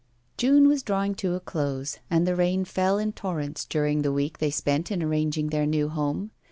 June was drawing to a close, and the rain fell in torrents during the week they spent in arranging their new home.